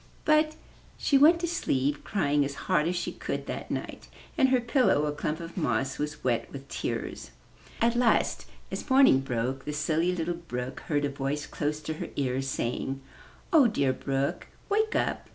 But she went to sleep, crying as hard as she could that night and her pillow, a clump of moss, was wet with tears. At last, as morning broke, the Silly Little Brook heard a voice close to her ear, saying, 0h, dear Brook, wake up!